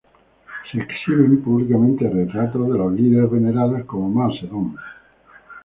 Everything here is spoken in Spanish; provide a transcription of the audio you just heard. Se exhiben públicamente retratos de los líderes venerados, como Mao Zedong.